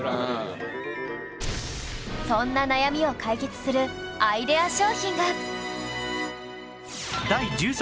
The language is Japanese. そんな悩みを解決するアイデア商品が！